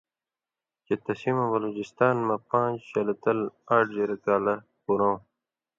چے تسی مہ بلوچستان مہ پان٘ژ شلہ تل آٹھ زِرہ کالہ پُرؤں ،